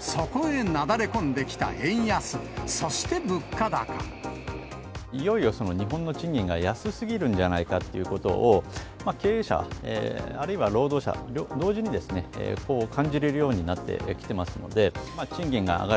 そこへなだれ込んできた円安、いよいよ日本の賃金が安すぎるんじゃないかっていうことを、経営者あるいは労働者同時に感じられるようになってきてますので、賃金が上がる